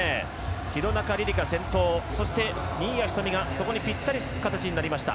廣中璃梨佳、先頭そして新谷仁美が、そこにぴったりつく形になりました。